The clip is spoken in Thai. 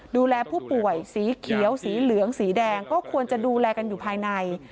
ดูแลผู้ป่วยสีเขียวสีเหลืองสีแดงก็ควรจะดูแลกันอยู่ภายใน